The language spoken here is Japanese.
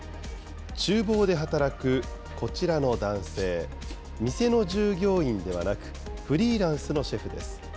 ちゅう房で働くこちらの男性、店の従業員ではなく、フリーランスのシェフです。